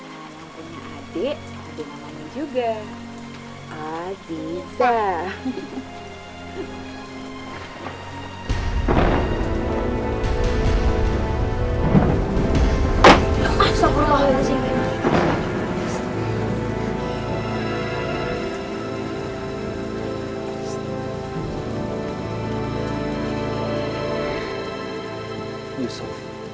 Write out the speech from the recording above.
nah nama punya adik ada namanya juga aziza